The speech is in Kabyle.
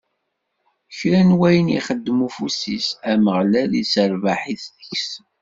Kra n wayen ixeddem ufus-is, Ameɣlal isserbaḥ-it deg-s.